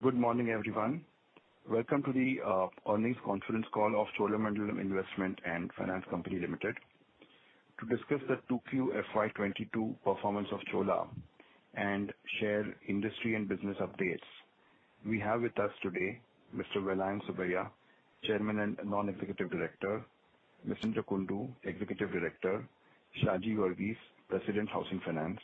Good morning, everyone. Welcome to the earnings conference call of Cholamandalam Investment and Finance Company Limited. To discuss the 2Q FY 2022 performance of Chola and share industry and business updates, we have with us today Mr. Vellayan Subbiah, Chairman and Non-Executive Director, Mr. Ravindra Kundu, Executive Director, Shaji Varghese, President, Housing Finance.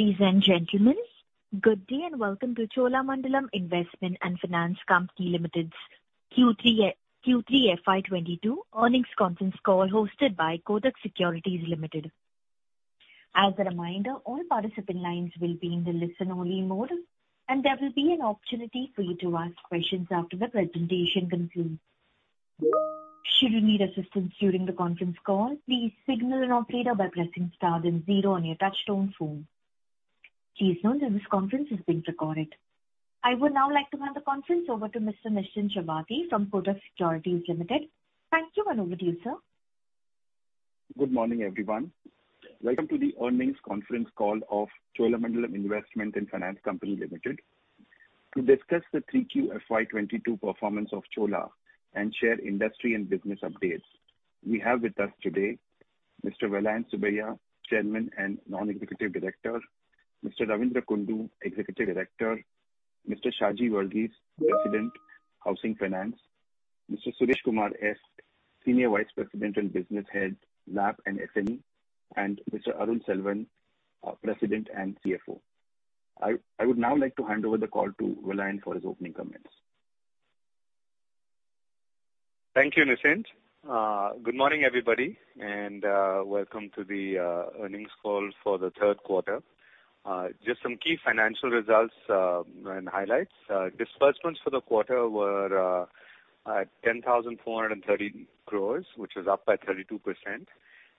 Ladies and gentlemen, good day and welcome to Cholamandalam Investment and Finance Company Limited's Q3 FY 2022 earnings conference call hosted by Kotak Securities Limited. As a reminder, all participant lines will be in the listen only mode, and there will be an opportunity for you to ask questions after the presentation concludes. Should you need assistance during the conference call, please signal an operator by pressing star then zero on your touchtone phone. Please note that this conference is being recorded. I would now like to hand the conference over to Mr. Nischint Chawathe from Kotak Securities Limited. Thank you, and over to you, sir. Good morning, everyone. Welcome to the earnings conference call of Cholamandalam Investment and Finance Company Limited. To discuss the Q3 FY 2022 performance of Chola and share industry and business updates, we have with us today Mr. Vellayan Subbiah, Chairman and Non-Executive Director, Mr. Ravindra Kundu, Executive Director, Mr. Shaji Varghese, President, Housing Finance, Mr. Suresh Kumar S, Senior Vice President and Business Head LAP and SME and Mr. Arul Selvan, President and CFO. I would now like to hand over the call to Vellayan for his opening comments. Thank you, Nischint Chawathe. Good morning, everybody, and welcome to the earnings call for the third quarter. Just some key financial results and highlights. Disbursements for the quarter were at 10,430 crores, which is up 32%.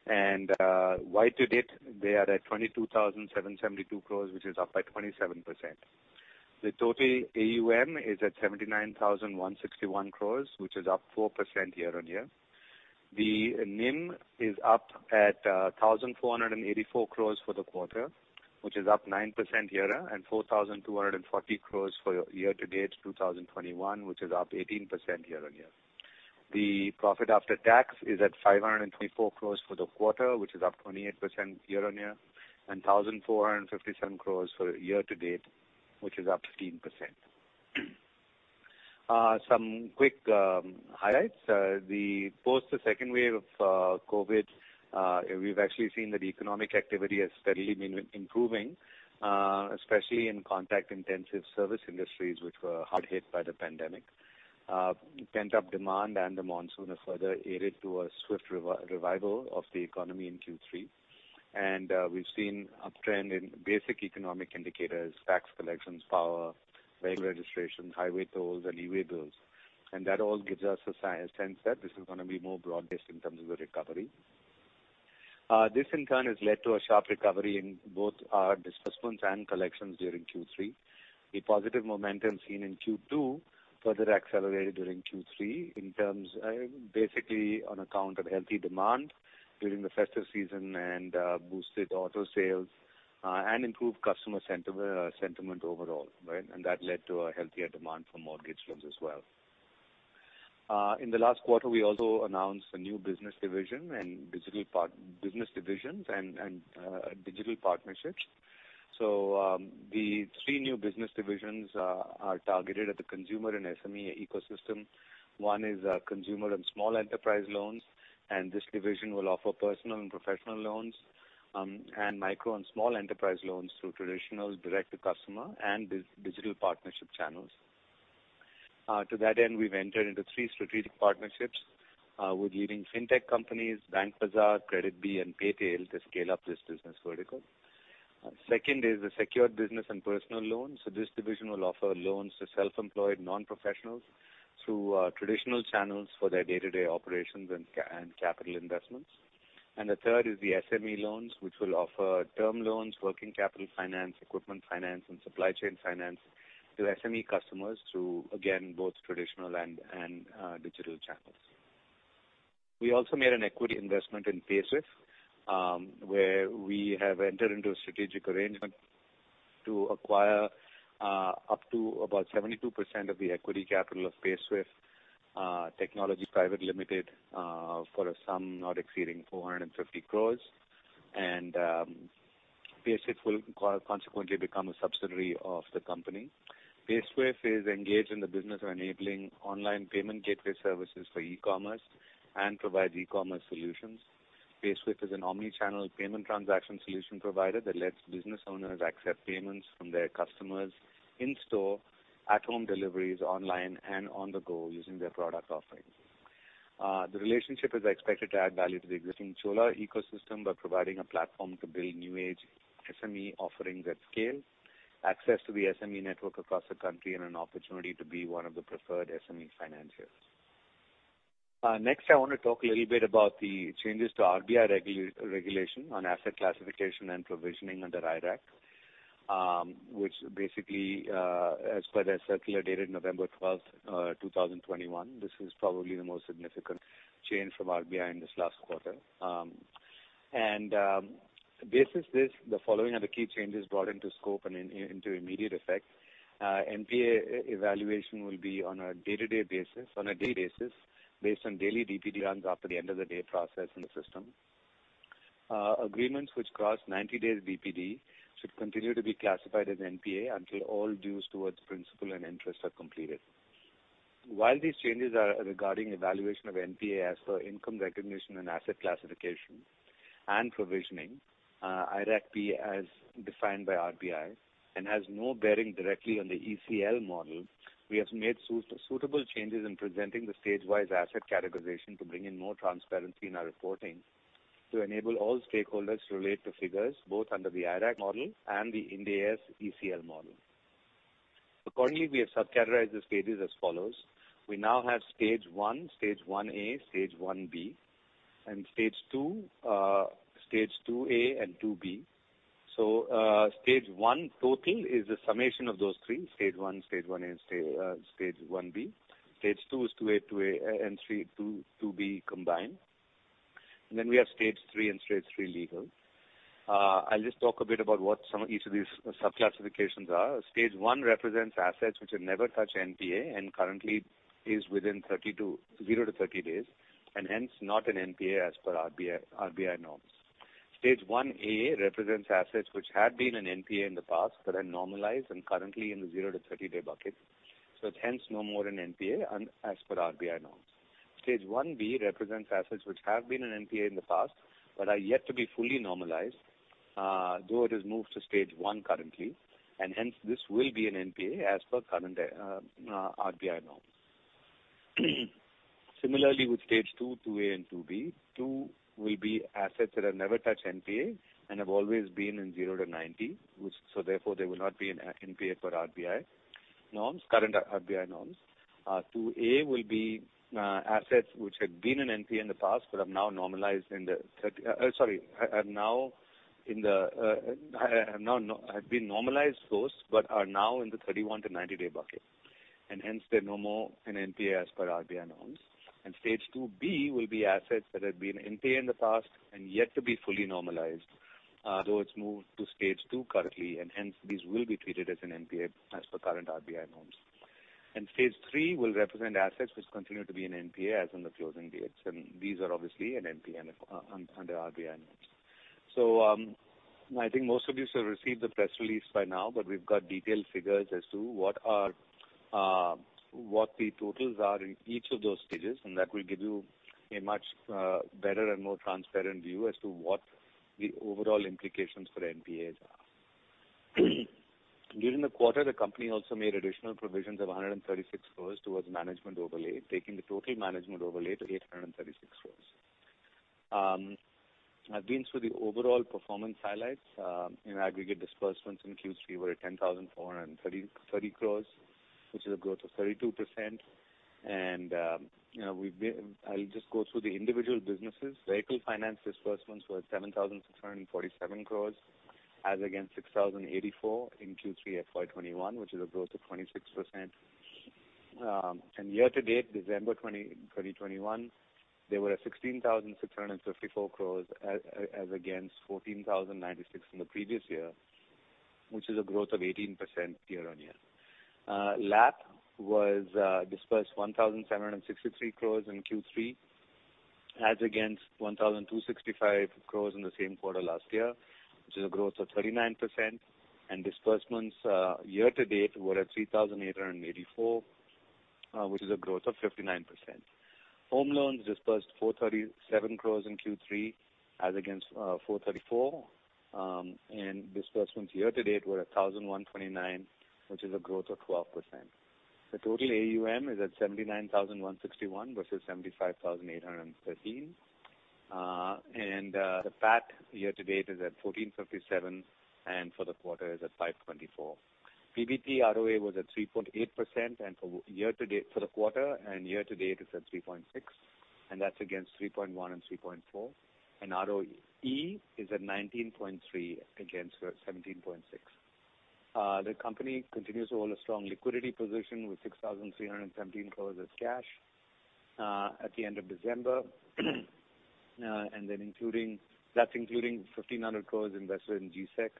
YTD they are at 22,772 crores, which is up 27%. The total AUM is at 79,161 crores, which is up 4% year-on-year. The NIM is up at 1,484 crores for the quarter, which is up 9% year-on-year and 4,240 crores for year-to-date 2021, which is up 18% year-on-year. The profit after tax is at 524 crore for the quarter, which is up 28% year-on-year and 1,457 crore for year-to-date, which is up 15%. Some quick highlights. Post the second wave of COVID, we've actually seen that economic activity has steadily been improving, especially in contact-intensive service industries which were hard hit by the pandemic. Pent-up demand and the monsoon have further aided to a swift revival of the economy in Q3. We've seen uptrend in basic economic indicators, tax collections, power, vehicle registrations, highway tolls and e-way bills. That all gives us a sense that this is gonna be more broad-based in terms of the recovery. This in turn has led to a sharp recovery in both our disbursements and collections during Q3. The positive momentum seen in Q2 further accelerated during Q3 in terms, basically on account of healthy demand during the festive season and, boosted auto sales, and improved customer sentiment overall, right? That led to a healthier demand for mortgage loans as well. In the last quarter, we also announced a new business division and digital partnerships. The three new business divisions are targeted at the consumer and SME ecosystem. One is consumer and small enterprise loans, and this division will offer personal and professional loans, and micro and small enterprise loans through traditional direct-to-customer and digital partnership channels. To that end, we've entered into three strategic partnerships with leading fintech companies BankBazaar, CreditVidya and Paytail to scale up this business vertical. Second is the Secured Business and Personal Loans. This division will offer loans to self-employed non-professionals through traditional channels for their day-to-day operations and capital investments. The third is the SME Loans, which will offer term loans, working capital finance, equipment finance, and supply chain finance to SME customers through, again, both traditional and digital channels. We also made an equity investment in Payswiff, where we have entered into a strategic arrangement to acquire up to about 72% of the equity capital of Payswiff Technologies Private Limited for a sum not exceeding 450 crores. Payswiff will consequently become a subsidiary of the company. Payswiff is engaged in the business of enabling online payment gateway services for e-commerce and provides e-commerce solutions. Payswiff is an omni-channel payment transaction solution provider that lets business owners accept payments from their customers in store, at home deliveries, online and on the go using their product offerings. The relationship is expected to add value to the existing Chola ecosystem by providing a platform to build new age SME offerings at scale, access to the SME network across the country and an opportunity to be one of the preferred SME financiers. Next, I wanna talk a little bit about the changes to RBI regulation on asset classification and provisioning under IRAC, which basically, as per their circular dated November 12, 2021, this is probably the most significant change from RBI in this last quarter. Basis this, the following are the key changes brought into scope and into immediate effect. NPA evaluation will be on a day-to-day basis based on daily DPD runs after the end of the day process in the system. Agreements which cross 90-days DPD should continue to be classified as NPA until all dues towards principal and interest are completed. While these changes are regarding evaluation of NPA as per income recognition and asset classification and provisioning, IRAC as defined by RBI and has no bearing directly on the ECL model, we have made suitable changes in presenting the stage-wise asset categorization to bring in more transparency in our reporting to enable all stakeholders to relate to figures both under the IRAC model and the Ind AS ECL model. Accordingly, we have sub-categorized the stages as follows. We now have Stage 1, Stage 1A, Stage 1B, and Stage 2, Stage 2A and 2B. Stage 1 total is the summation of those three, Stage 1, Stage 1A and Stage 1B. Stage 2 is 2A and 2B combined. We have Stage 3 and Stage 3 legal. I'll just talk a bit about what some of each of these sub-classifications are. Stage 1 represents assets which have never touched NPA and currently is within 0-30-days, and hence not an NPA as per RBI norms. Stage 1A represents assets which had been an NPA in the past but are normalized and currently in the 0-30-day bucket, so hence no more an NPA as per RBI norms. Stage 1B represents assets which have been an NPA in the past but are yet to be fully normalized, though it is moved to Stage 1 currently, and hence this will be an NPA as per current RBI norms. Similarly with Stage 2, 2A and 2B. 2 will be assets that have never touched NPA and have always been in 0-90-day, which so therefore they will not be an NPA per RBI norms, current RBI norms. 2A will be assets which had been an NPA in the past but have now normalized, those but are now in the 31-90-day bucket, and hence they're no more an NPA as per RBI norms. Stage two B will be assets that have been NPA in the past and yet to be fully normalized, though it's moved to stage two currently, and hence these will be treated as an NPA as per current RBI norms. Stage three will represent assets which continue to be an NPA as on the closing dates, and these are obviously an NPA under RBI norms. I think most of you should receive the press release by now, but we've got detailed figures as to what the totals are in each of those stages, and that will give you a much better and more transparent view as to what the overall implications for NPAs are. During the quarter, the company also made additional provisions of 136 crores towards management overlay, taking the total management overlay to 836 crores. I've been through the overall performance highlights. In aggregate disbursements in Q3 were at 10,430 crores, which is a growth of 32%. You know, I'll just go through the individual businesses. Vehicle Finance disbursements were at 7,647 crores as against 6,084 in Q3 FY 2021, which is a growth of 26%. Year-to-date, December 20, 2021, they were at 16,654 crores as against 14,096 crores in the previous year, which is a growth of 18% year-on-year. LAP was disbursed 1,763 crores in Q3 as against 1,265 crores in the same quarter last year, which is a growth of 39%. Disbursements year-to-date were at 3,884 crores, which is a growth of 59%. Home loans disbursed 437 crores in Q3 as against 434 crores, and disbursements year-to-date were 1,129 crores, which is a growth of 12%. The total AUM is at 79,161 crores versus 75,813 crores. The PAT year-to-date is at 1,457 crores, and for the quarter is at 524 crores. PBT ROA was at 3.8% and for year-to-date, for the quarter and year-to-date is at 3.6%, and that's against 3.1% and 3.4%. ROE is at 19.3% against 17.6%. The company continues to hold a strong liquidity position with 6,317 crore as cash at the end of December. That's including 1,500 crore invested in G-Sec,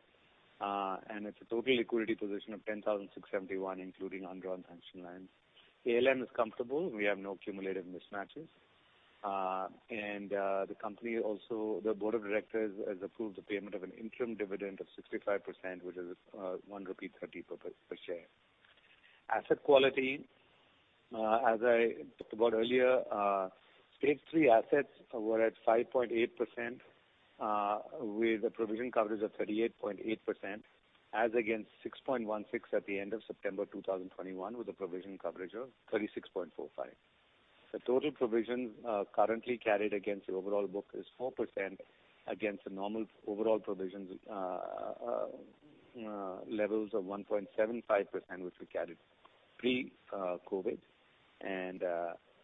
and it's a total liquidity position of 10,671 crore, including undrawn lines. ALM is comfortable. We have no cumulative mismatches. The company also, the board of directors has approved the payment of an interim dividend of 65%, which is 1.30 rupee per share. Asset quality, as I talked about earlier, Stage 3 assets were at 5.8%, with a provision coverage of 38.8%, as against 6.16% at the end of September 2021, with a provision coverage of 36.45. The total provision currently carried against the overall book is 4% against the normal overall provisions levels of 1.75%, which we carried pre-COVID.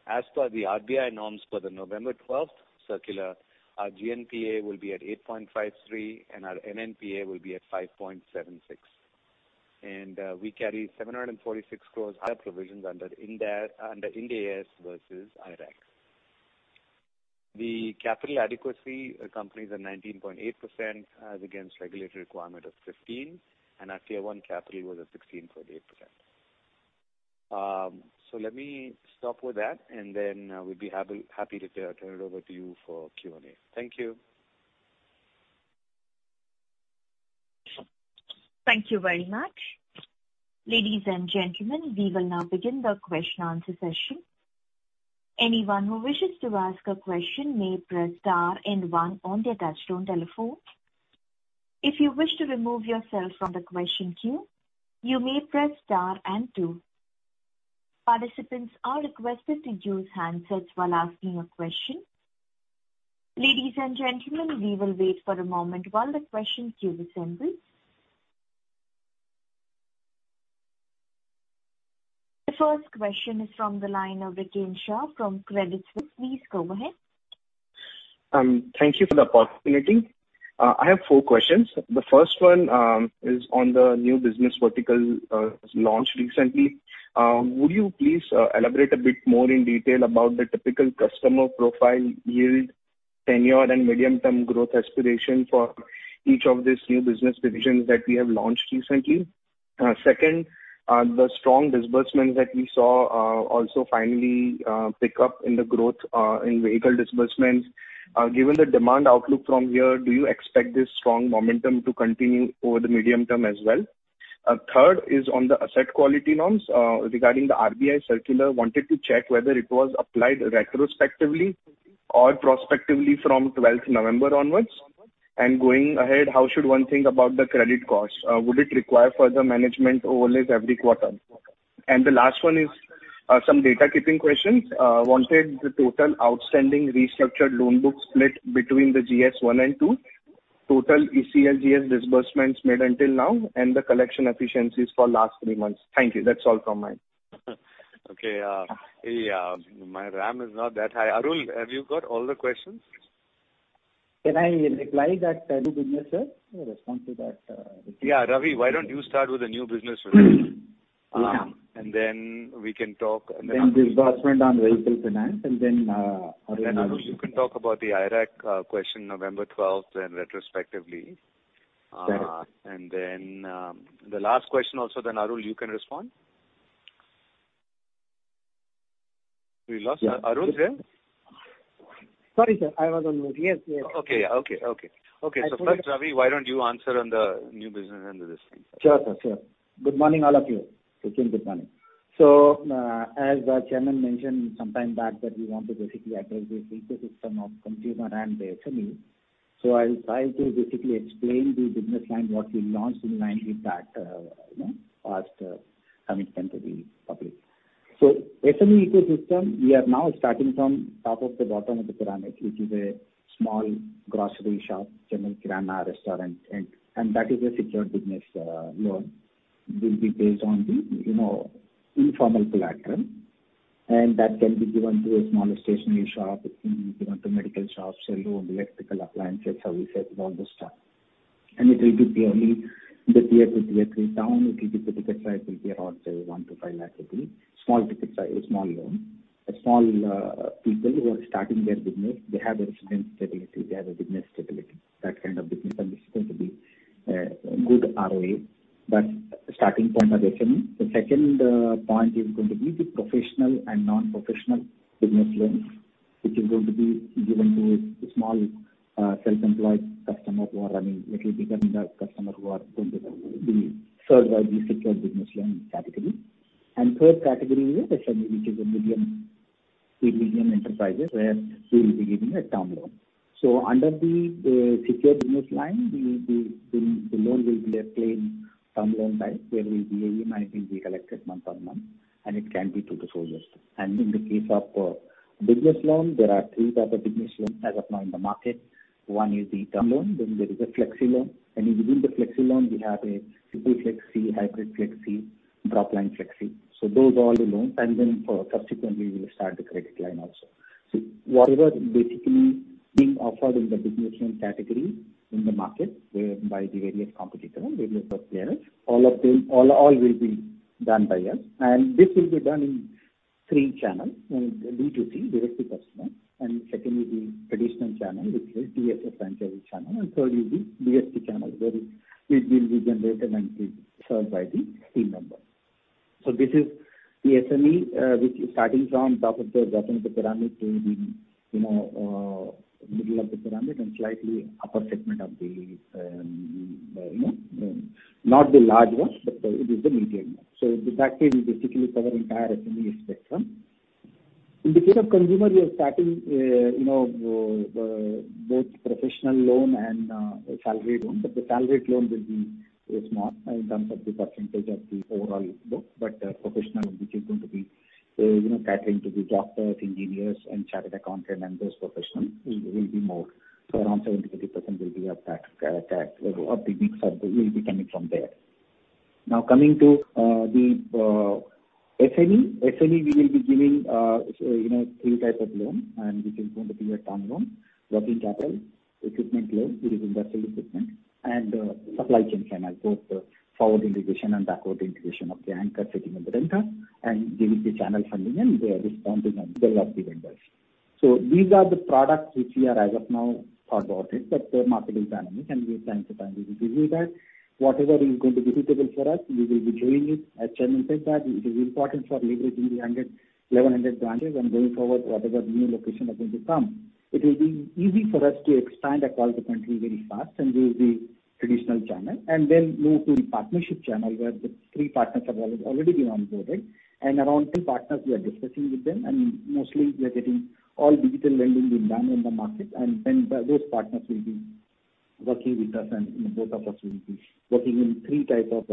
As per the RBI norms for the November 12 circular, our GNPA will be at 8.53%, and our NNPA will be at 5.76%. We carry 746 crore higher provisions under Ind AS versus IRAC. The capital adequacy is at 19.8% as against regulatory requirement of 15%, and our Tier 1 capital was at 16.8%. Let me stop with that, and then we'd be happy to turn it over to you for Q&A. Thank you. Thank you very much. Ladies and gentlemen, we will now begin the question and answer session. Anyone who wishes to ask a question may press star and one on their touchtone telephone. If you wish to remove yourself from the question queue, you may press star and two. Participants are requested to use handsets while asking a question. Ladies and gentlemen, we will wait for a moment while the question queue assembles. The first question is from the line of Viral Shah from Credit Suisse. Please go ahead. Thank you for the opportunity. I have four questions. The first one is on the new business vertical launched recently. Would you please elaborate a bit more in detail about the typical customer profile yield, tenure and medium-term growth aspiration for each of these new business divisions that we have launched recently? Second, the strong disbursements that we saw also finally pick up in the growth in vehicle disbursements. Given the demand outlook from here, do you expect this strong momentum to continue over the medium term as well? Third is on the asset quality norms. Regarding the RBI circular, wanted to check whether it was applied retrospectively or prospectively from twelfth November onwards. Going ahead, how should one think about the credit costs? Would it require further management overlays every quarter? The last one is some housekeeping questions. I wanted the total outstanding restructured loan book split between Stage 1 and 2, total ECLGS disbursements made until now and the collection efficiencies for last three months. Thank you. That's all from my end. Okay. My RAM is not that high. Arul, have you got all the questions? Can I reply that new business, sir? Respond to that. Yeah. Ravi, why don't you start with the new business release? Yeah. We can talk. Disbursement on Vehicle Finance, and then, Arul Selvan, you can talk about the IRAC question November twelfth and retrospectively. Got it. The last question also then, Arul, you can respond. We lost Arul Selvan, yeah? Sorry, sir. I was on mute. Yes, yes. Okay, yeah. First, Ravi, why don't you answer on the new business end of this thing? Sure, sir. Sure. Good morning all of you. Vikrant, good morning. As chairman mentioned some time back that we want to basically address this ecosystem of consumer and the SME. I'll try to basically explain the business line, what we launched in line with that, you know, last quarter coming to the public. SME ecosystem, we are now starting from top to bottom of the pyramid, which is a small grocery shop, general kirana restaurant, and that is a secured business loan. Will be based on the, you know, informal collateral. And that can be given to a small stationery shop, it can be given to medical shops or electrical appliances services, all the stuff. And it will be given only in the tier two, tier three town. The ticket size will be around, say, 1-5 lakh rupees. Small ticket size, small loan. Small people who are starting their business, they have a residence stability, they have a business stability. That kind of business and this is going to be a good ROA. Starting point of SME. The second point is going to be the professional and non-professional business loans, which is going to be given to a small self-employed customer who are running little bigger than the customer who are going to be served by the secured business loan category. Third category is SME, which is a medium enterprises, where we will be giving a term loan. Under the secured business line, the loan will be a plain term loan type. EMI will be collected month on month, and it can be through the collectors. In the case of business loan, there are three types of business loan as of now in the market. One is the term loan, then there is a flexi loan, and within the flexi loan, we have a simple flexi, hybrid flexi, drop line flexi. Those are all the loans, and then subsequently we will start the credit line also. Whatever basically being offered in the business loan category in the market by the various competitors, various players, all of them will be done by us. This will be done in three channels. B2C, directly personal, and second will be traditional channel, which is DSA franchise channel, and third will be DST channel, where it will be generated and be served by the team member. This is the SME, which is starting from bottom of the pyramid to the, you know, middle of the pyramid and slightly upper segment of the, not the large ones, but it is the medium one. The fact is we basically cover entire SME spectrum. In the case of consumer, we are starting both professional loan and salary loan. The salary loan will be small in terms of the percentage of the overall book, but professional which is going to be, you know, catering to the doctors, engineers and chartered accountant and those professional will be more. Around 70%-80% will be of that of the mix of the will be coming from there. Now, coming to the SME. SME we will be giving, you know, 3 types of loan, and which is going to be a term loan, working capital, equipment loan, it is industrial equipment, and supply chain finance, both forward integration and backward integration of the anchor sitting on the vendor and giving the channel funding and discounting of bill of the vendors. These are the products which we are as of now thought about it, but the market is dynamic, and we are trying to find. We will give you that. Whatever is going to be suitable for us, we will be doing it. As Chairman said that it is important for leveraging the 1,100 branches going forward, whatever new locations are going to come. It will be easy for us to expand across the country very fast and use the traditional channel. Then move to partnership channel where the three partners have already been onboarded. Another three partners we are discussing with them and mostly we are getting all digital lending being done in the market. Then those partners will be working with us and both of us will be working in three types of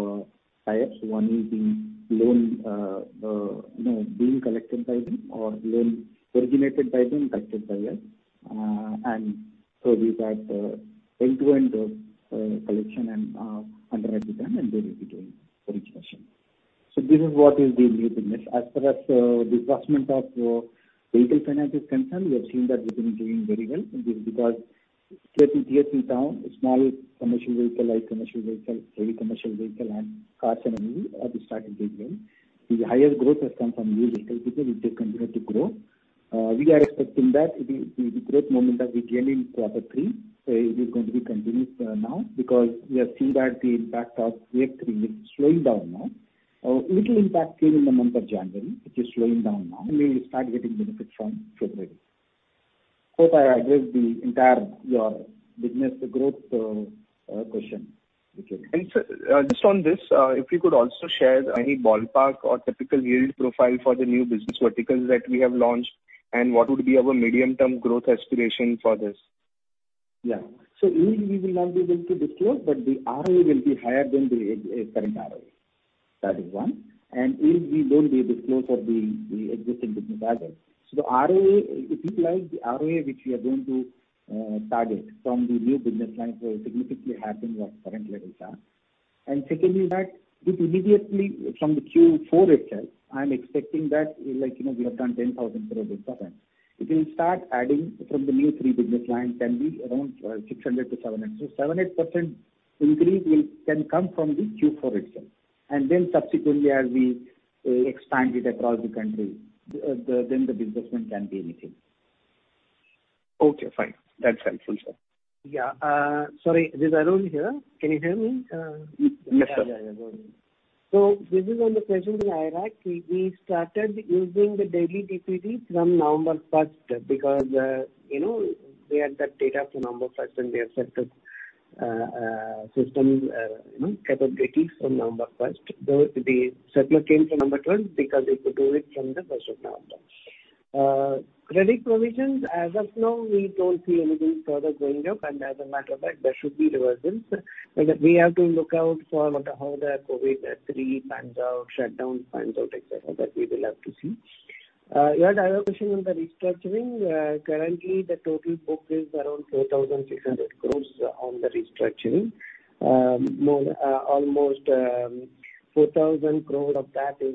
tiers. One is in loan, you know, being collected by them or loan originated by them, collected by us. We've got end-to-end collection and underwrite done, and they will be doing origination. This is what is the new business. As per disbursement of Vehicle Finance is concerned, we have seen that we've been doing very well. This is because Tier 2, Tier 3 towns, small commercial vehicle, light commercial vehicle, heavy commercial vehicle and cars and MUV, have started doing well. The highest growth has come from used vehicle business which is continued to grow. We are expecting that the growth momentum we gain in quarter three, it is going to be continued now because we have seen that the impact of Tier 3 is slowing down now. A little impact seen in the month of January. It is slowing down now and we will start getting benefit from February. Hope I addressed the entire your business growth question, Viral Shah. Sir, just on this, if you could also share any ballpark or typical yield profile for the new business verticals that we have launched, and what would be our medium term growth aspiration for this? Yeah. Yield we will not be able to disclose, but the ROA will be higher than the current ROA. That is one. Yield we don't be able to disclose of the existing business as such. The ROA, if you like, the ROA which we are going to target from the new business lines will significantly higher than what current levels are. Secondly is that with immediately from the Q4 itself, I am expecting that like, you know, we have done 10,000 through this program. It will start adding from the new three business lines can be around 600-700. 7%-8% increase will can come from the Q4 itself. Then subsequently as we expand it across the country, then the disbursement can be anything. Okay, fine. That's helpful, sir. Yeah. Sorry, this is Arul Selvan here. Can you hear me? Yes, sir. This is on the question with IRAC. We started using the daily DPD from November first because, you know, we had that data from November first and we have set up system, you know, capabilities from November first. The ECL came to November first because they could do it from the first of November. Credit provisions, as of now, we don't see anything further going up, and as a matter of fact, there should be reversions. We have to look out for how the COVID three pans out, shutdown pans out, et cetera, that we will have to see. Your other question on the restructuring, currently the total book is around 4,600 crores on the restructuring. Almost 4,000 crores of that is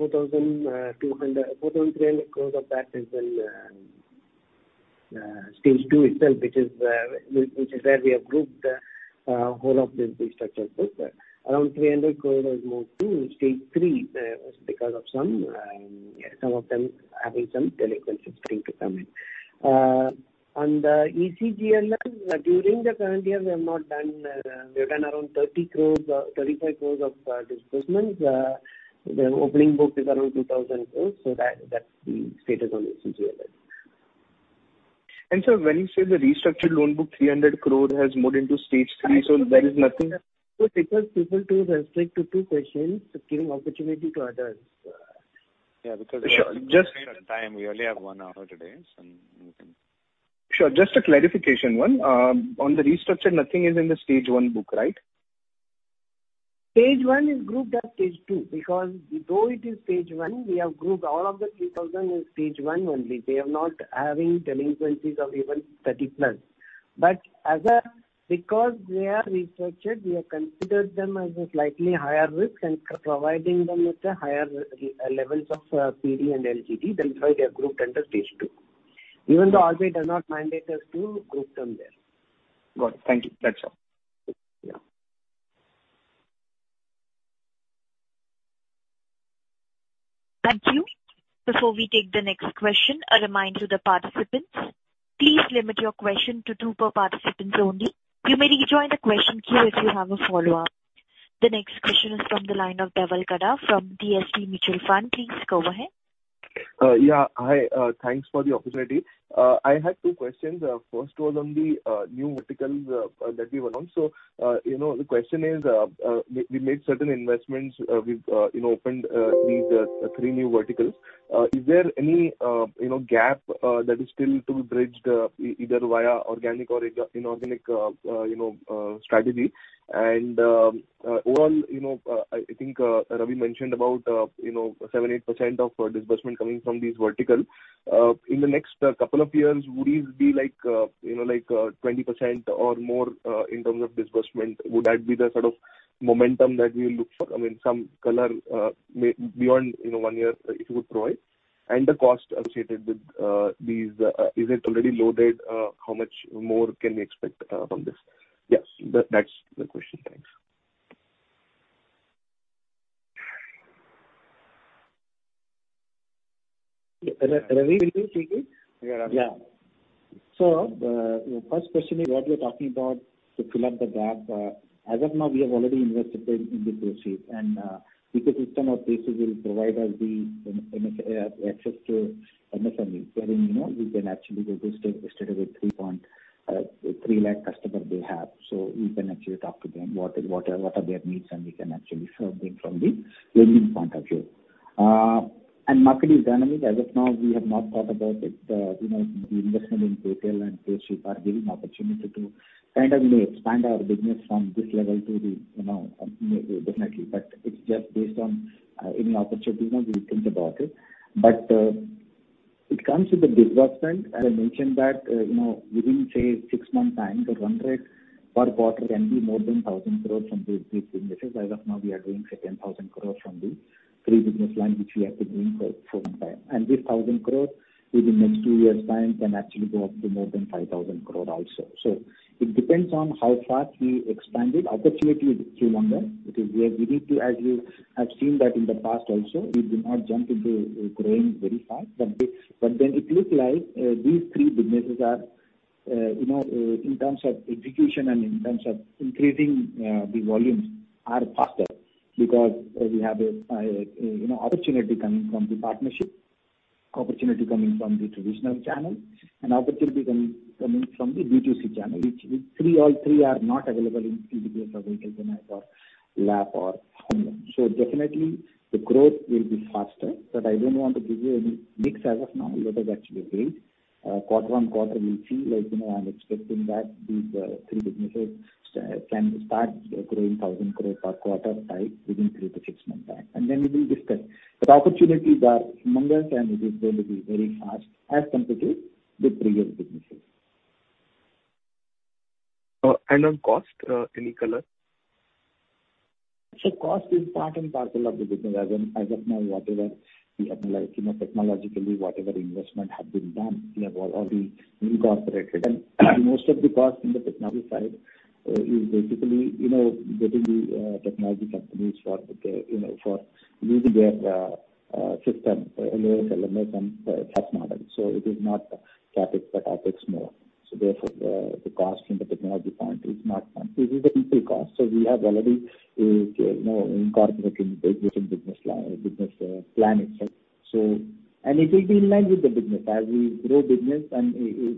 4,200-4,300 crores in Stage 2 itself, which is where we have grouped the whole of this restructured book. Around 300 crores has moved to Stage 3 because some of them having some delinquencies starting to come in. On the ECLGS, during the current year we've done around 35 crores of disbursements. The opening book is around 2,000 crores, so that's the status on ECLGS. Sir, when you say the restructured loan book, 300 crore, has moved into Stage 3, there is nothing. Sir, because people are restricted to two questions, it gives opportunity to others. Yeah, because. Sure. We are constrained on time. We only have one hour today, so, you know. Sure. Just a clarification one. On the restructure, nothing is in the Stage 1 book, right? Stage 1 is grouped as Stage 2 because though it is Stage 1, we have grouped all of the 3,000 in Stage 1 only. They are not having delinquencies of even 30+. As a because they are restructured, we have considered them as a slightly higher risk and providing them with higher levels of PD and LGD. That is why they are grouped under Stage 2, even though RBI does not mandate us to group them there. Got it. Thank you. That's all. Yeah. Thank you. Before we take the next question, a reminder to the participants. Please limit your question to two per participants only. You may rejoin the question queue if you have a follow-up. The next question is from the line of Dhaval Gada from DSP Mutual Fund. Please go ahead. Yeah. Hi, thanks for the opportunity. I had two questions. First was on the new verticals that we were on. You know, the question is, we made certain investments. We've, you know, opened these three new verticals. Is there any, you know, gap that is still to be bridged either via organic or inorganic, you know, strategy? Overall, you know, I think Ravi mentioned about, you know, 7%-8% of disbursement coming from these verticals. In the next couple of years, would it be like, you know, like, 20% or more in terms of disbursement? Would that be the sort of momentum that we look for? I mean, some color beyond, you know, one year, if you could provide. The cost associated with these. Is it already loaded? How much more can we expect from this? Yes. That, that's the question. Thanks. Ravi, will you take it? Yeah. First question is what we are talking about to fill up the gap. As of now, we have already invested in the Payswiff and ecosystem of Payswiff will provide us the in access to MSMEs wherein, you know, we can actually go to database of 3.3 lakh customers they have. So we can actually talk to them what are their needs, and we can actually serve them from the lending point of view. Market is dynamic. As of now, we have not thought about it. You know, the investment in Paytail and Payswiff are giving opportunity to kind of, you know, expand our business from this level to the, you know, definitely. But it's just based on any opportunities, and we'll think about it. It comes with the disbursement. As I mentioned, within, say, 6 months time, the run rate per quarter can be more than 1,000 crore from these businesses. As of now, we are doing, say, 10,000 crore from the three business line which we have been doing for some time. This thousand crores within next two years' time can actually go up to more than 5,000 crore also. It depends on how fast we expand it. Opportunity is still larger because we are beginning to, as you have seen that in the past also, we do not jump into growing very fast. It looks like these three businesses are, you know, in terms of execution and in terms of increasing, the volumes are faster because we have a, you know, opportunity coming from the partnership, opportunity coming from the traditional channel and opportunity coming from the B2C channel. All three are not available in CSEL or Vehicle Finance or LAB or Home Loan. So definitely the growth will be faster, but I don't want to give you any mix as of now. Let us actually wait. Quarter-on-quarter we'll see. Like, you know, I'm expecting that these three businesses can start growing 1,000 crore per quarter within three to six months' time, and then we will discuss. Opportunities are humongous, and it is going to be very fast as compared to the previous businesses. On cost, any color? Cost is part and parcel of the business as in, as of now, whatever we have, you know, technologically, whatever investment have been done, you know, or already incorporated. Most of the cost in the technology side is basically, you know, getting the technology companies for the, you know, for using their system, LOS LMS and test model. It is not CapEx but OpEx. Therefore, the cost from the technology point is not one. This is the people cost, so we have already, you know, incorporated in the existing business plan itself. It will be in line with the business. As we grow business and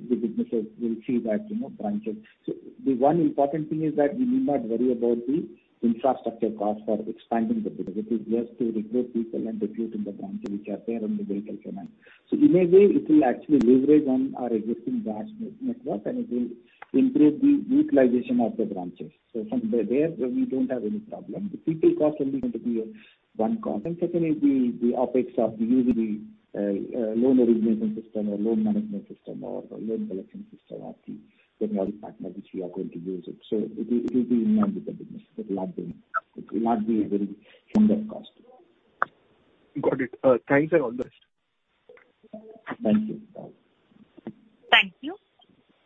the businesses will see that, you know, branches. The one important thing is that we need not worry about the infrastructure cost for expanding the business. It is just to recruit people and recruit in the branches which are there in the rural segment. In a way, it will actually leverage on our existing branch network, and it will improve the utilization of the branches. From there, we don't have any problem. The people cost only going to be one cost. Second is the OpEx of the usual loan origination system or loan management system or the loan collection system of the technology partner which we are going to use it. It will be in line with the business. It will not be a very heavy cost. Got it. Thanks a lot. Thank you. Bye. Thank you.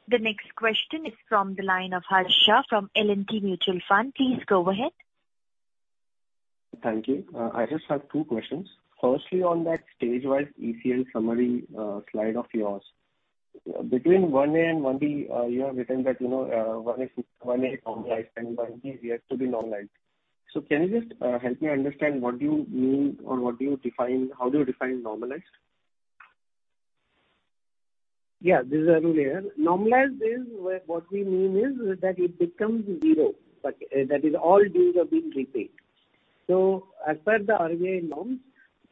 The next question is from the line of Harsha from L&T Mutual Fund. Please go ahead. Thank you. I just have two questions. Firstly, on that stage-wise ECL summary slide of yours. Between 1A and 1B, you have written that 1A normalized and 1B is yet to be normalized. Can you just help me understand what do you mean or what do you define, how do you define normalized? This is Arul Selvan here. Normalized is where what we mean is that it becomes zero. That is all dues have been repaid. As per the RBI norm,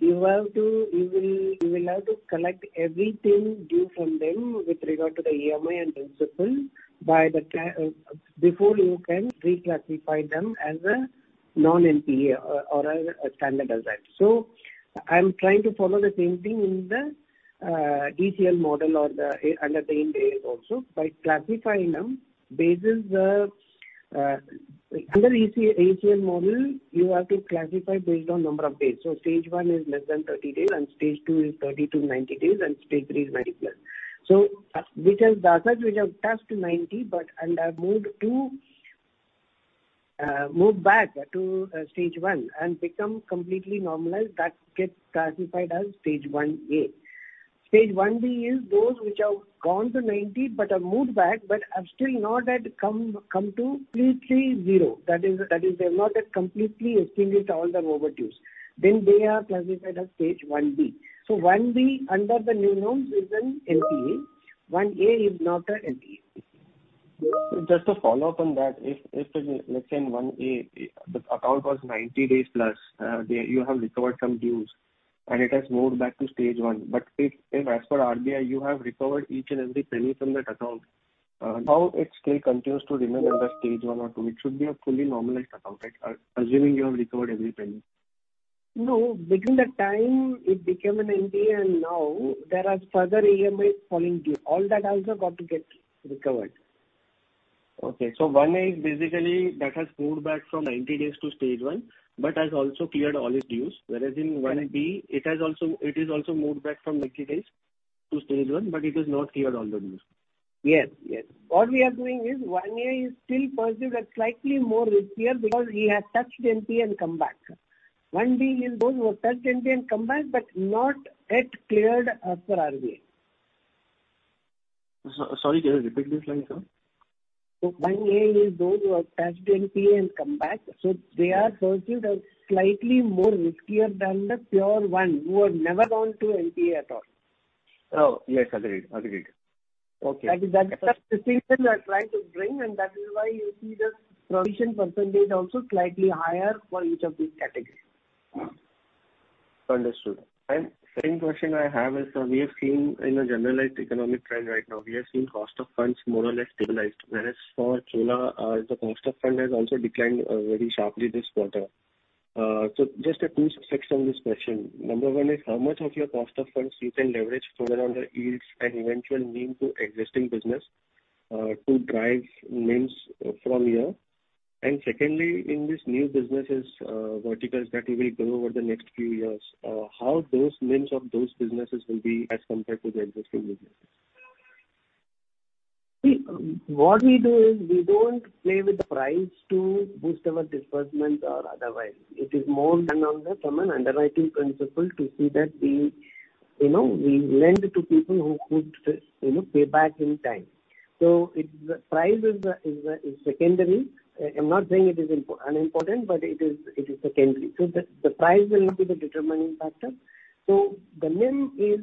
you have to collect everything due from them with regard to the EMI and principal before you can reclassify them as a non-NPA or as a standard asset. I'm trying to follow the same thing in the ECL model or under the same days also by classifying them based on the under ECL model, you have to classify based on number of days. Stage 1 is less than 30-days, and Stage 2 is 30-90-days, and Stage 3 is 90+. Which have touched 90 but under mode two move back to Stage 1 and become completely normalized, that gets classified as Stage 1A. Stage 1B is those which have gone to 90 but have moved back, but have still not yet come to completely zero. That is, they've not yet completely extinguished all their overdues. They are classified as Stage 1B. 1B under the new norm is an NPA. 1A is not an NPA. Just a follow-up on that. If let's say the account was 90-days+, then you have recovered some dues, and it has moved back to Stage 1. If as per RBI, you have recovered each and every penny from that account, how it still continues to remain under Stage 1 or 2? It should be a fully normalized account, right? Assuming you have recovered every penny. No. Between the time it became an NPA and now, there are further EMIs falling due. All that also got to get recovered. Okay. One A is basically that has moved back from 90-days to Stage 1 but has also cleared all its dues. Whereas in 1B, it has also moved back from 90 days to Stage 1, but it has not cleared all the dues. Yes. Yes. What we are doing is 1A is still perceived as slightly more riskier because he has touched NPA and come back. 1B is those who have touched NPA and come back, but not yet cleared as per RBI. Sorry, can you repeat please, sir? One A is those who have touched NPA and come back, so they are perceived as slightly more riskier than the pure one who have never gone to NPA at all. Oh, yes. Agreed. Okay. That is the distinction we are trying to bring, and that is why you see the provision percentage also slightly higher for each of these categories. Understood. Second question I have is, sir, we have seen in a generalized economic trend right now, we have seen cost of funds more or less stabilized. Whereas for Chola, the cost of funds has also declined very sharply this quarter. Just two sections this question. Number 1 is how much of your cost of funds you can leverage further under yields and eventual NIM to existing business, to drive NIMs from here? Secondly, in these new businesses, verticals that you will grow over the next few years, how those NIMs of those businesses will be as compared to the existing businesses? See, what we do is we don't play with the price to boost our disbursement or otherwise. It is more done on the from an underwriting principle to see that we, you know, we lend to people who could, you know, pay back in time. It's the price is secondary. I'm not saying it is unimportant, but it is secondary. The price will not be the determining factor. The NIM is,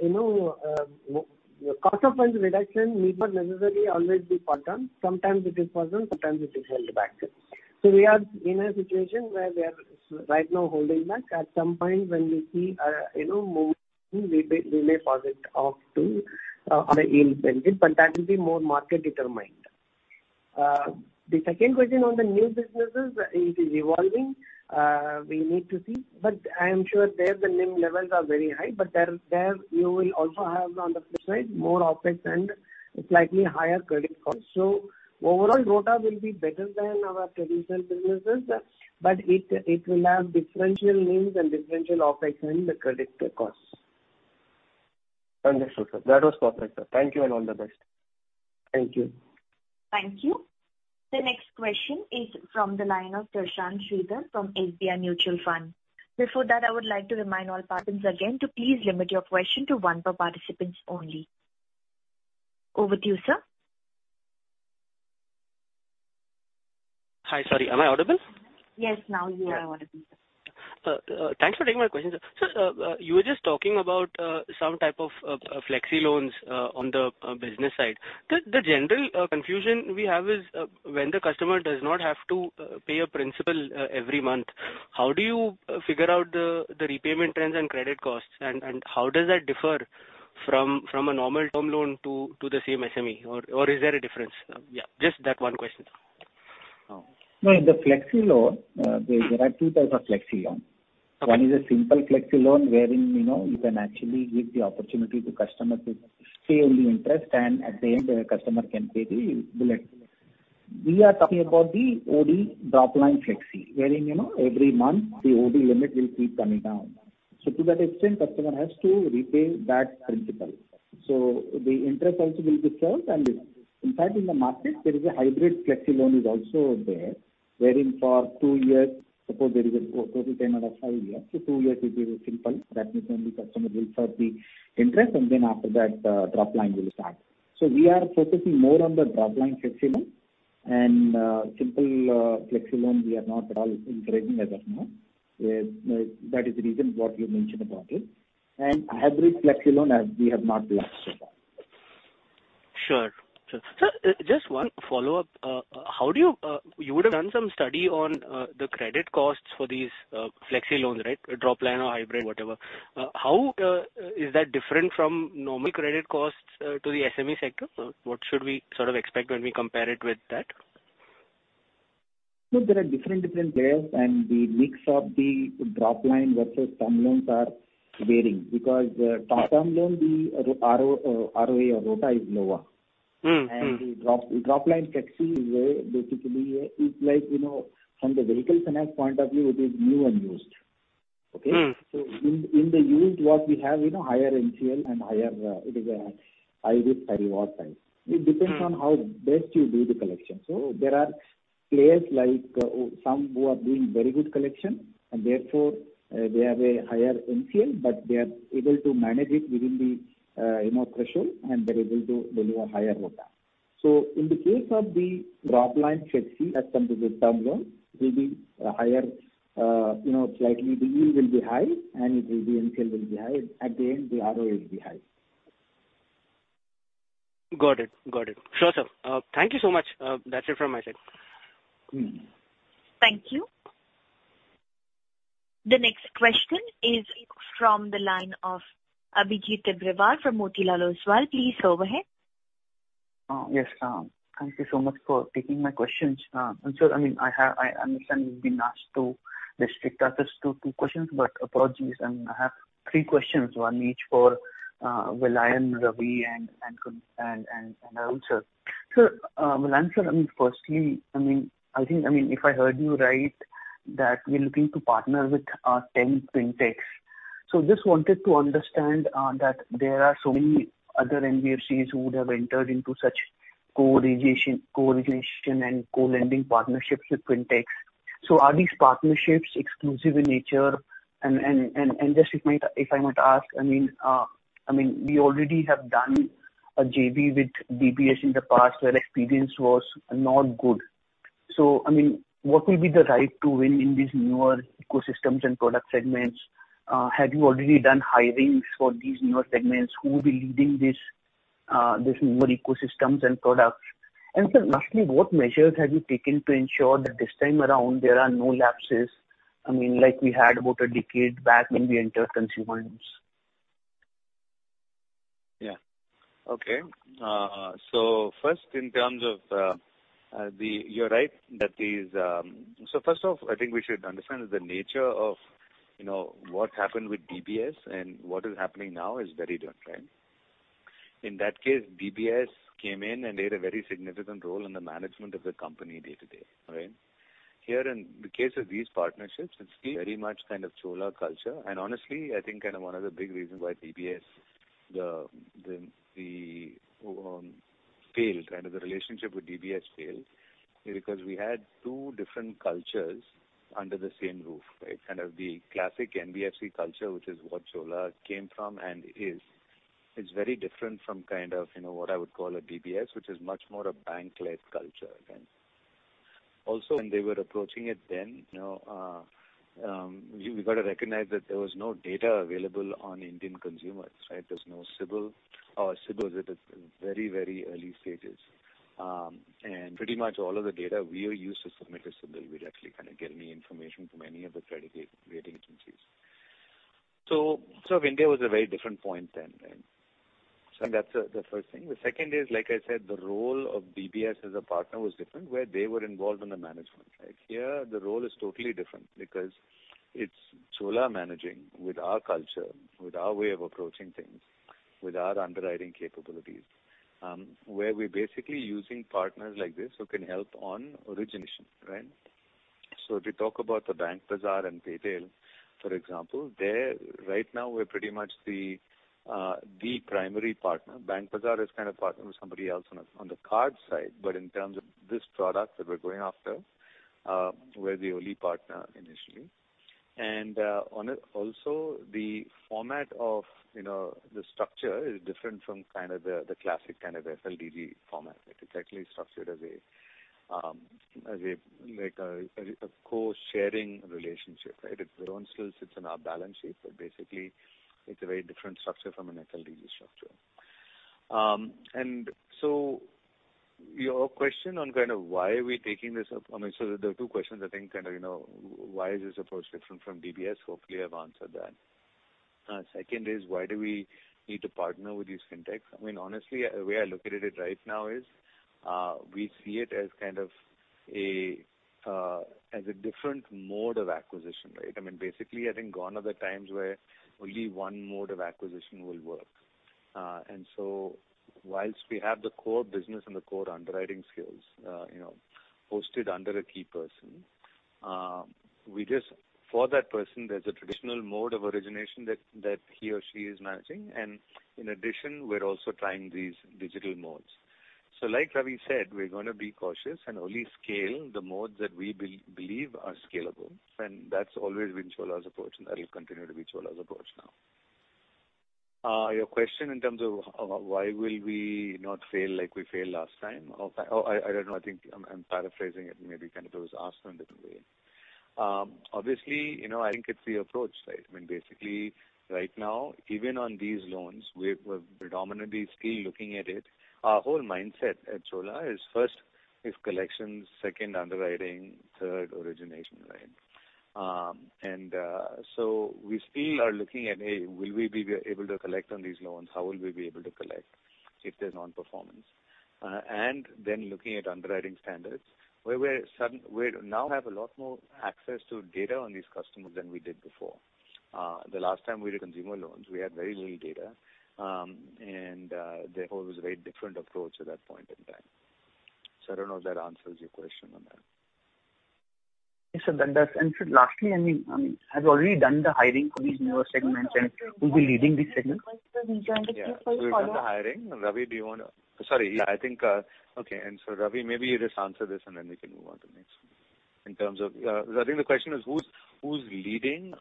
you know, cost of funds reduction need not necessarily always be passed on. Sometimes it is passed on, sometimes it is held back. We are in a situation where we are right now holding back. At some point when we see, you know, more, we may pass it off to other yield banking, but that will be more market determined. The second question on the new businesses, it is evolving we need to see, but I am sure that the NIM levels are very high, but there you will also have on the flip side more OpEx and slightly higher credit costs. Overall, ROA will be better than our traditional businesses, but it will have differential NIMs and differential OpEx and the credit costs. Understood, sir. That was perfect, sir. Thank you and all the best. Thank you. Thank you. The next question is from the line of Prashanth Sridhar from SBI Mutual Fund. Before that, I would like to remind all participants again to please limit your question to one per participant only. Over to you, sir. Hi. Sorry. Am I audible? Yes. Now you are audible, sir. Thanks for taking my question, sir. Sir, you were just talking about some type of flexi loans on the business side. The general confusion we have is when the customer does not have to pay a principal every month, how do you figure out the repayment trends and credit costs and how does that differ from a normal term loan to the same SME? Or is there a difference? Yeah, just that one question. No, in the flexi loan, there are two types of flexi loan. Okay. One is a simple flexi loan wherein, you know, you can actually give the opportunity to customer to pay only interest and at the end the customer can pay the bullet. We are talking about the OD drop line flexi, wherein, you know, every month the OD limit will keep coming down. To that extent, customer has to repay that principal. The interest also will be served and in fact in the market there is a hybrid flexi loan is also there, wherein for two years, suppose there is a total tenure of five years, two years it is simple. That means only customer will serve the interest and then after that, drop line will start. We are focusing more on the drop line flexi loan and simple flexi loan we are not at all integrating as of now. That is the reason what you mentioned about it. Hybrid flexi loan, we have not launched so far. Sure. Sir, just one follow-up. You would have done some study on the credit costs for these flexi loans, right? Drop line or hybrid, whatever. Is that different from normal credit costs to the SME sector? What should we sort of expect when we compare it with that? No, there are different players and the mix of the drop line versus term loans are varying because term loan the ROA is lower. The drop line flexi is basically like, you know, from the Vehicle Finance point of view it is new and used. Okay? In the used what we have, you know, higher NCL and higher, it is a high risk, high reward type. It depends on how best you do the collection. There are players like, some who are doing very good collection and therefore, they have a higher NCL, but they are able to manage it within the, you know, threshold, and they're able to deliver higher ROA. In the case of the drop line flexi as compared to the term loan will be higher. You know, slightly the yield will be high and the NCL will be high. At the end, the ROA will be high. Got it. Sure, sir. Thank you so much. That's it from my side. Thank you. The next question is from the line of Abhijit Tibrewal from Motilal Oswal Financial Services Ltd. Please go ahead. Yes. Thank you so much for taking my questions. Sir, I mean, I have, I understand we've been asked to restrict ourselves to two questions, but apologies. I have three questions, one each for Vellayan, Ravindra Kundu, and Arul Selvan, sir. Sir, Vellayan, sir, I mean, firstly, I mean, I think, I mean, if I heard you right, that we're looking to partner with 10 fintechs. Just wanted to understand that there are so many other NBFCs who would have entered into such co-origination and co-lending partnerships with fintechs. Are these partnerships exclusive in nature? Just if I might ask, I mean, we already have done a JV with DBS in the past where experience was not good. I mean, what will be the right to win in these newer ecosystems and product segments? Have you already done hirings for these newer segments? Who will be leading this newer ecosystems and products? Sir, lastly, what measures have you taken to ensure that this time around there are no lapses, I mean, like we had about a decade back when we entered consumer loans? Yeah. Okay. You're right that these. First off, I think we should understand the nature of, you know, what happened with DBS and what is happening now is very different, right? In that case, DBS came in and played a very significant role in the management of the company day-to-day, right? Here in the case of these partnerships, it's very much kind of Chola culture, and honestly, I think kind of one of the big reasons why the relationship with DBS failed is because we had two different cultures under the same roof, right? Kind of the classic NBFC culture, which is what Chola came from and is very different from kind of, you know, what I would call a DBS, which is much more a bank-led culture, right? When they were approaching it then, you've got to recognize that there was no data available on Indian consumers, right? There was no CIBIL, or CIBIL was at a very, very early stages. Pretty much all of the data we used to submit to CIBIL, we'd actually not get any information from any of the credit rating agencies. India was a very different point then. I think that's the first thing. The second is, like I said, the role of DBS as a partner was different, where they were involved in the management. Like, here, the role is totally different because it's Chola managing with our culture, with our way of approaching things, with our underwriting capabilities, where we're basically using partners like this who can help on origination, right? If we talk about the BankBazaar and Paytail, for example, there, right now we're pretty much the primary partner. BankBazaar is kind of partnered with somebody else on the card side, but in terms of this product that we're going after, we're the only partner initially. Also the format of, you know, the structure is different from kind of the classic kind of FLDG format. It is actually structured as a like a co-sharing relationship, right? It still sits in our balance sheet, but basically it's a very different structure from an FLDG structure. Your question on kind of why are we taking this up? I mean, there are two questions, I think kind of, you know, why is this approach different from DBS? Hopefully, I've answered that. Second is why do we need to partner with these FinTechs? I mean, honestly, the way I look at it right now is, we see it as kind of a as a different mode of acquisition, right? I mean, basically, I think gone are the times where only one mode of acquisition will work. Whilst we have the core business and the core underwriting skills, you know, hosted under a key person, for that person, there's a traditional mode of origination that he or she is managing. In addition, we're also trying these digital modes. Like Ravi said, we're gonna be cautious and only scale the modes that we believe are scalable. That's always been Chola's approach, and that will continue to be Chola's approach now. Your question in terms of how, why will we not fail like we failed last time? Or fail? Oh, I don't know. I think I'm paraphrasing it. Maybe kind of it was asked in a different way. Obviously, you know, I think it's the approach, right? I mean, basically right now, even on these loans, we're predominantly still looking at it. Our whole mindset at Chola is first is collections, second underwriting, third origination, right? We still are looking at, A, will we be able to collect on these loans? How will we be able to collect if there's non-performance? And then looking at underwriting standards, where we now have a lot more access to data on these customers than we did before. The last time we did consumer loans, we had very little data, therefore it was a very different approach at that point in time. I don't know if that answers your question on that. Yes, sir. That does. Sir, lastly, I mean, have you already done the hiring for these newer segments and who'll be leading these segments? Yeah. We've done the hiring. Sorry. I think. Okay. Ravi, maybe you just answer this, and then we can move on to next. In terms of, I think the question is who's leading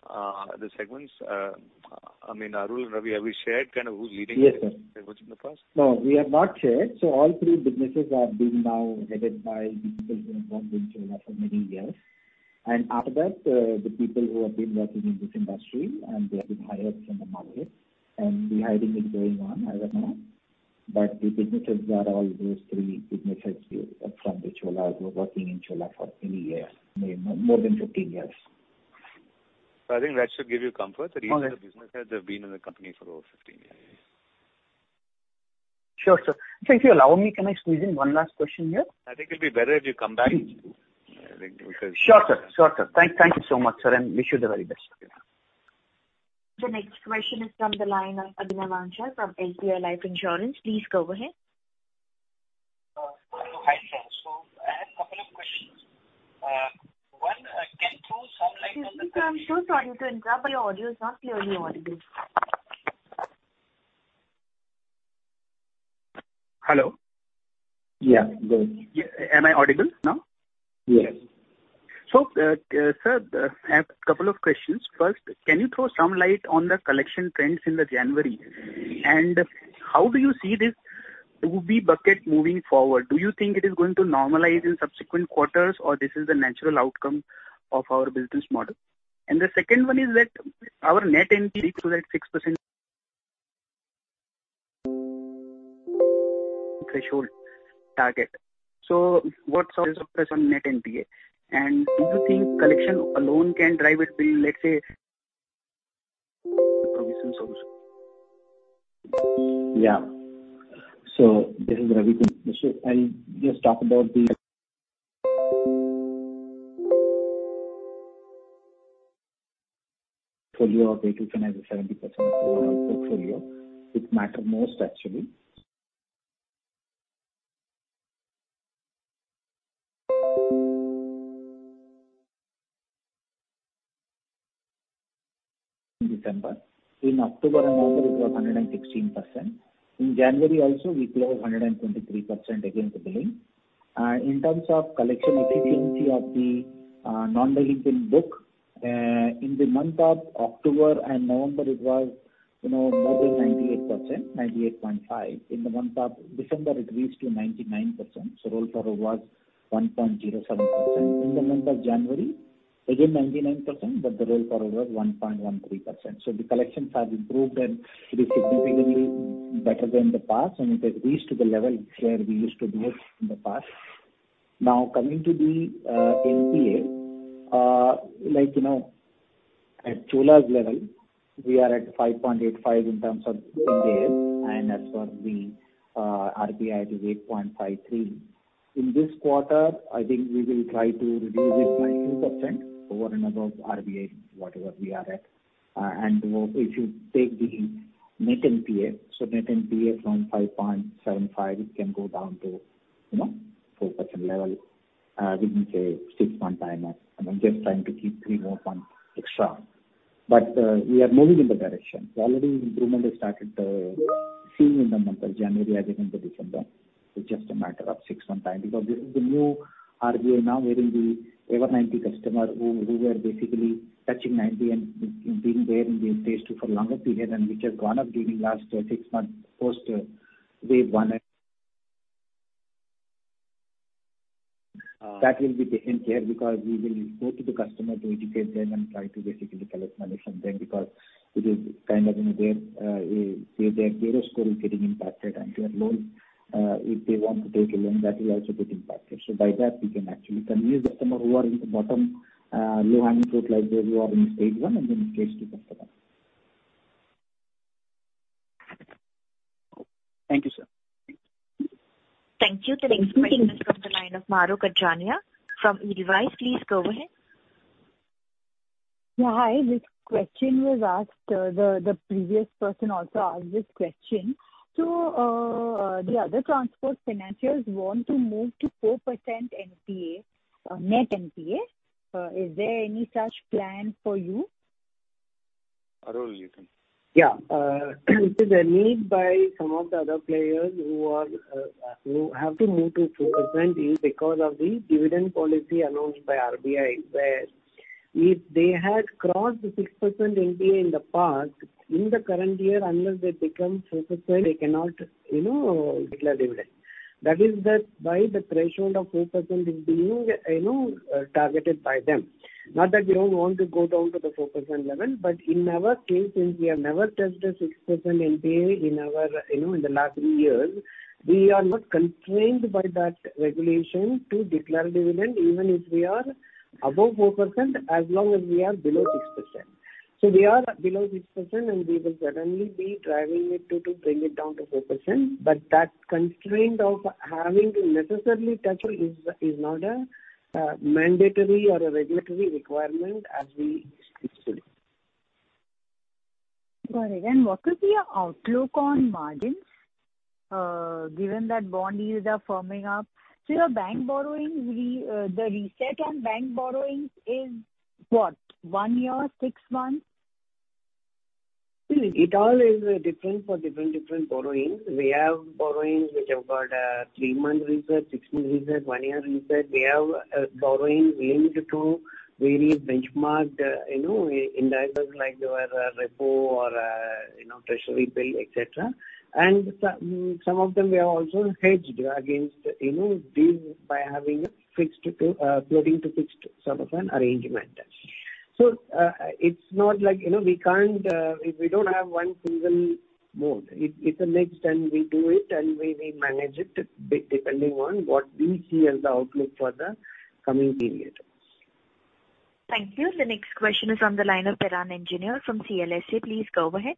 the segments? I mean, Arul, Ravi, have we shared kind of who's leading-. Yes, sir. Which in the past? No, we have not shared. All three businesses are being now headed by the people who have been with Chola for many years. After that, the people who have been working in this industry, and they have been hired from the market, and the hiring is going on as of now. The business heads for all three businesses have been working in Chola for many years, more than 15-years. I think that should give you comfort. Okay. that each of the business heads have been in the company for over 15-years. Sure, sir. Sir, if you allow me, can I squeeze in one last question here? I think it'll be better if you come back. Sure, sir. Thank you so much, sir, and wish you the very best. The next question is from the line of Abhinav Sharma from HDFC Life Insurance. Please go ahead. Hello. Hi, sir. I have couple of questions. One, can you throw some light on the Excuse me, sir. I'm so sorry to interrupt, but your audio is not clearly audible. Hello? Yeah. Go ahead. Am I audible now? Yes. sir, I have a couple of questions. First, can you throw some light on the collection trends in January? How do you see this UB bucket moving forward? Do you think it is going to normalize in subsequent quarters or this is the natural outcome of our business model? The second one is that our net NPA equals to that 6% threshold target. What's our focus on net NPA? Do you think collection alone can drive it to, let's say, provision solution? Yeah. This is Ravi here. I'll just talk about the portfolio of 8%-10% has a 70% of the overall portfolio, which matter most actually in December. In October and November, it was 116%. In January also, we closed 123% against the billing. In terms of collection efficiency of the non-delinquent book in the month of October and November, it was, you know, more than 98%, 98.5. In the month of December, it reached to 99%, so roll forward was 1.07%. In the month of January, again 99%, but the roll forward was 1.13%. Collections have improved and it is significantly better than the past, and it has reached to the level where we used to do it in the past. Now coming to the NPA, like, you know, at Chola's level, we are at 5.85 in terms of NPAs, and as for the RBI is 8.53. In this quarter, I think we will try to reduce it by 2% over and above RBI, whatever we are at. If you take the net NPA, so net NPA from 5.75 can go down to, you know, 4% level, within, say, six-month time. I'm just trying to keep three more months extra. We are moving in the direction. Already improvement has started, seen in the month of January as compared to December. It's just a matter of six month time, because this is the new RBI now, wherein the ever 90 customer who were basically touching 90 and being there in the Stage 2 for longer period and which has gone up during last six months post wave one. That will be taken care because we will go to the customer to educate them and try to basically collect money from them because it is kind of, you know, their credit score is getting impacted and their loan, if they want to take a loan that will also get impacted. By that we can actually convince customer who are in the bottom, low-hanging fruit like those who are in Stage 1 and then Stage 2 customer. Thank you, sir. Thank you. The next question is from the line of Mahrukh Adajania from Edelweiss. Please go ahead. Yeah, hi. This question was asked, the previous person also asked this question. The other transport financials want to move to 4% NPA, net NPA. Is there any such plan for you? Arul Selvan, you can. Yeah. So the need by some of the other players who have to move to 2% is because of the dividend policy announced by RBI, where if they had crossed the 6% NPA in the past, in the current year unless they become 6% they cannot, you know, declare dividend. That is why the threshold of 4% is being, you know, targeted by them. Not that we don't want to go down to the 4% level, but in our case since we have never touched the 6% NPA in our, you know, in the last three years, we are not constrained by that regulation to declare dividend even if we are above 4% as long as we are below 6%. We are below 6% and we will certainly be driving it to bring it down to 4%. That constraint of having to necessarily touch it is not a mandatory or a regulatory requirement as we see it. Got it. What is your outlook on margins, given that bond yields are firming up? Your bank borrowings, the reset on bank borrowings is what? One year, six months? It all is different for different borrowings. We have borrowings which have got three-month reset, six-month reset, one-year reset. We have borrowings linked to various benchmarked, you know, indices like your repo or, you know, treasury bill, et cetera. Some of them we have also hedged against, you know, these by having a fixed to floating to fixed sort of an arrangement. It's not like, you know, we can't if we don't have one single mode. It's a mix and we do it and we manage it depending on what we see as the outlook for the coming period. Thank you. The next question is on the line of Piran Engineer from CLSA. Please go ahead.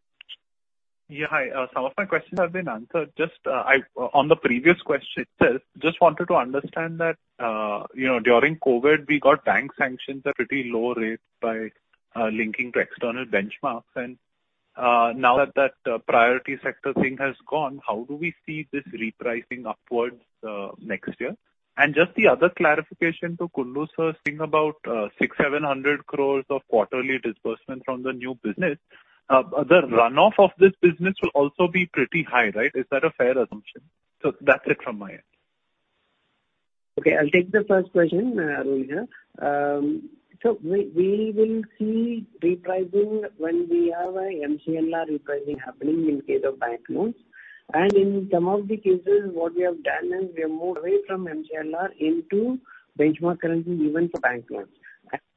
Yeah, hi. Some of my questions have been answered. Just on the previous question itself, just wanted to understand that, you know, during COVID we got bank sanctions at pretty low rates by linking to external benchmarks. Now that the priority sector thing has gone, how do we see this repricing upwards next year? Just the other clarification to Ravindra Kundu saying about 600 crore-700 crore of quarterly disbursement from the new business. The runoff of this business will also be pretty high, right? Is that a fair assumption? That's it from my end. Okay, I'll take the first question, Arul here. We will see repricing when we have a MCLR repricing happening in case of bank loans. In some of the cases what we have done is we have moved away from MCLR into benchmarked lending even for bank loans.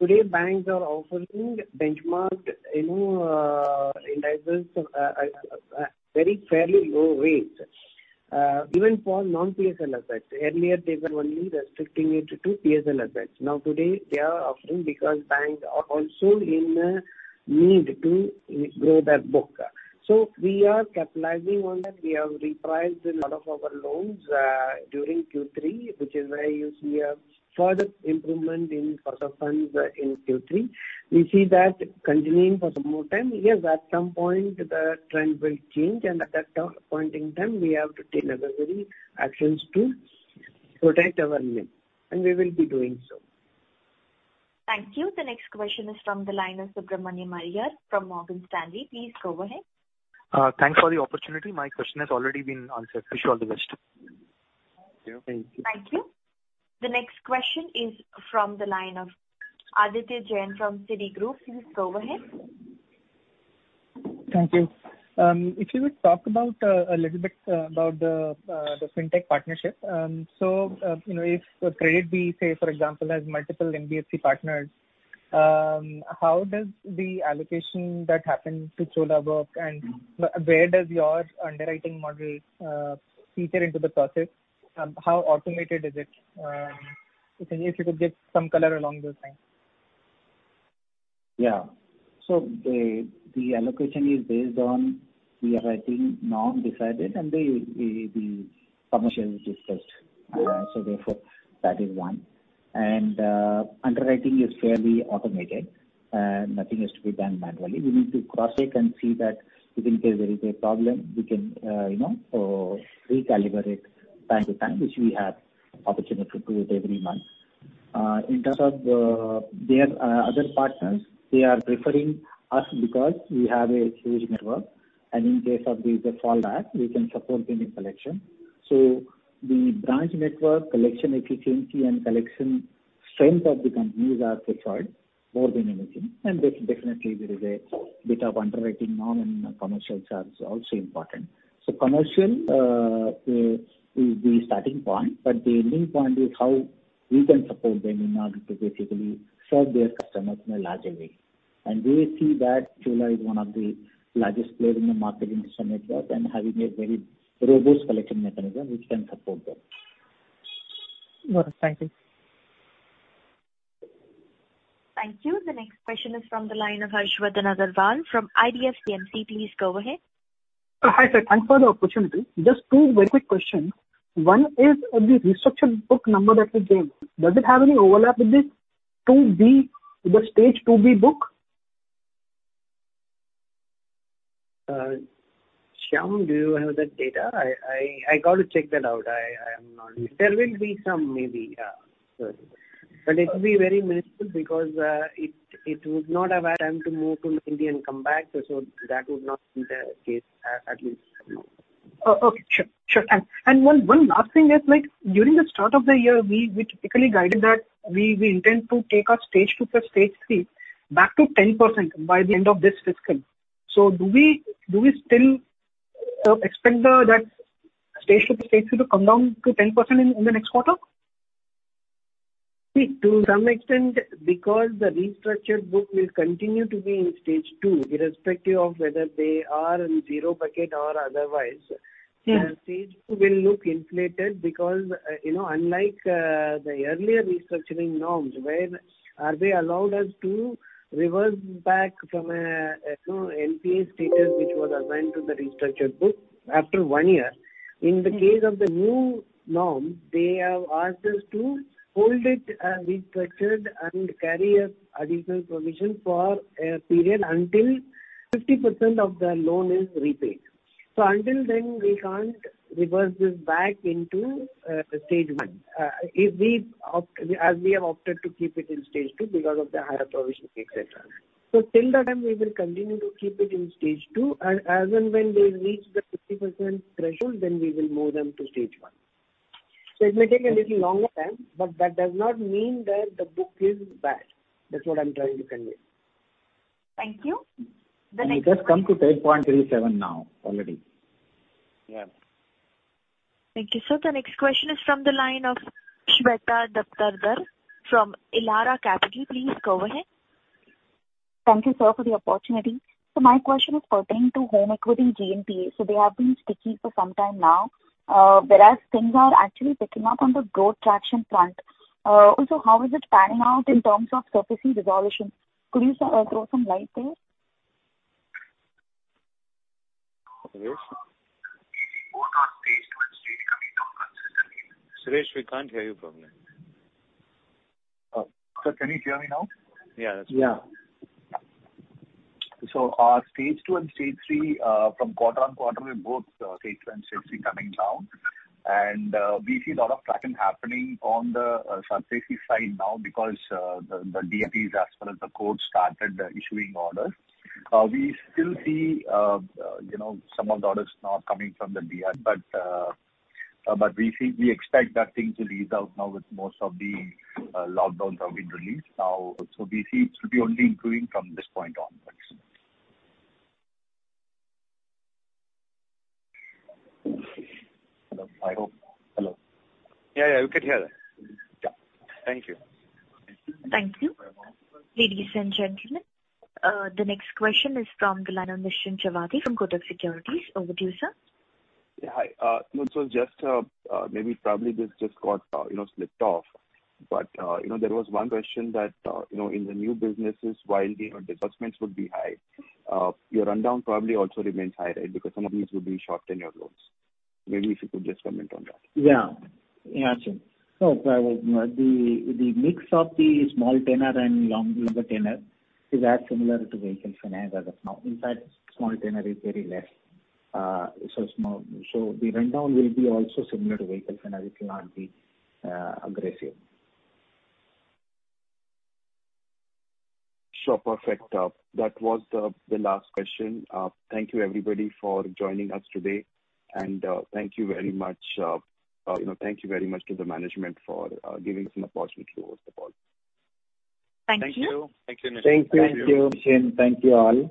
Today, banks are offering benchmarked, you know, indices, very fairly low rates, even for non-PSL assets. Earlier, they were only restricting it to PSL assets. Now today they are offering because banks are also in a need to grow their book. We are capitalizing on that. We have repriced a lot of our loans during Q3, which is why you see a further improvement in cost of funds in Q3. We see that continuing for some more time. Yes, at some point the trend will change and at that, point in time we have to take necessary actions to protect our NIM, and we will be doing so. Thank you. The next question is from the line of Subramanian Iyer from Morgan Stanley. Please go ahead. Thanks for the opportunity. My question has already been answered. Wish you all the best. Thank you. Thank you. The next question is from the line of Aditya Jain from Citigroup. Please go ahead. Thank you. If you would talk about a little bit about the fintech partnership. You know, if CreditVidya, say for example, has multiple NBFC partners. How does the allocation that happens to Chola work, and where does your underwriting model feature into the process? How automated is it? If you could give some color along those lines. The allocation is based on the underwriting norm decided and the commercial discussed. Therefore that is one. Underwriting is fairly automated. Nothing has to be done manually. We need to cross-check and see that if in case there is a problem, we can you know recalibrate time to time, which we have opportunity to do it every month. In terms of their other partners, they are preferring us because we have a huge network, and in case of the fallback, we can support them in collection. The branch network, collection efficiency and collection strength of the companies are preferred more than anything. Definitely there is a bit of underwriting norm and commercial charges are also important. Commercial is the starting point, but the ending point is how we can support them in order to basically serve their customers in a larger way. They see that Chola is one of the largest player in the market in some network, and having a very robust collection mechanism which can support them. Got it. Thank you. Thank you. The next question is from the line of Harshvardhan Agrawal from IDFC AMC. Please go ahead. Hi, sir. Thanks for the opportunity. Just two very quick questions. One is, of the restructured book number that you gave, does it have any overlap with the Stage 2 book? Shyam, do you have that data? I got to check that out. I am not... There will be some, maybe, yeah. It will be very minuscule because it would not have had time to move to Indian comeback, so that would not be the case, at least now. Oh, okay. Sure. One last thing is like during the start of the year we typically guided that we intend to take our Stage 2+ Stage 3 back to 10% by the end of this fiscal. Do we still expect that Stage 2+ Stage 3 to come down to 10% in the next quarter? To some extent, because the restructured book will continue to be in Stage 2, irrespective of whether they are in zero bucket or otherwise. Stage 2 will look inflated because, you know, unlike the earlier restructuring norms, where they allowed us to reverse back from, you know, NPA status which was assigned to the restructured book after one year. In the case of the new norm, they have asked us to hold it as restructured and carry an additional provision for a period until 50% of the loan is repaid. Until then, we can't reverse this back into Stage 1. As we have opted to keep it in Stage 2 because of the higher provision, et cetera. Till that time, we will continue to keep it in Stage 2, and as and when they reach the 50% threshold, then we will move them to Stage 1. It may take a little longer time, but that does not mean that the book is bad. That's what I'm trying to convey. Thank you. It has come to 10.37% now already. Yeah. Thank you, sir. The next question is from the line of Shweta Daptardar from Elara Capital. Please go ahead. Thank you, sir, for the opportunity. My question is pertaining to home equity GNPA. They have been sticky for some time now, whereas things are actually picking up on the growth traction front. Also, how is it panning out in terms of sub-segment resolution? Could you, sir, throw some light there? Suresh? Maybe both are Stage 2 and Stage 3 coming down consistently. Suresh, we can't hear you properly. Oh. Sir, can you hear me now? Yeah, that's better. Yeah. Our Stage 2 and Stage 3 from quarter-over-quarter with both Stage 2 and Stage 3 coming down. We see a lot of traction happening on the DRT side now because the DRTs as well as the court started issuing orders. We still see you know some of the orders now coming from the DRT, but we expect that things will ease out now with most of the lockdowns have been released now. We see it should be only improving from this point onwards. Hello. Hello. Yeah, we can hear that. Yeah. Thank you. Thank you. Ladies and gentlemen, the next question is from the line of Nischint Chawathe from Kotak Securities. Over to you, sir. Yeah. Hi. Just maybe probably this just got you know slipped off. You know there was one question that you know in the new businesses while the disbursements would be high your rundown probably also remains high right? Because some of these will be short-tenure loans. Maybe if you could just comment on that. Yeah. Yeah, sure. The mix of the small tenure and longer tenure is as similar to Vehicle Finance as of now. In fact, small tenure is very less. The rundown will be also similar to Vehicle Finance. It will not be aggressive. Sure. Perfect. That was the last question. Thank you everybody for joining us today. Thank you very much, you know, to the management for giving us an opportunity over the call. Thank you. Thank you. Thank you, Nischint Chawathe. Thank you. Thank you. Thank you all.